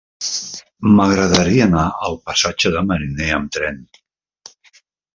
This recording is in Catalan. M'agradaria anar al passatge de Mariner amb tren.